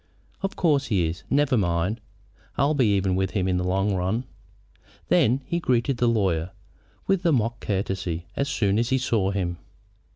"Of course he is. Never mind. I'll be even with him in the long run." Then he greeted the lawyer with a mock courtesy as soon as he saw him.